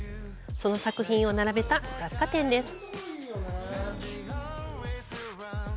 その作品を並べた雑貨店です。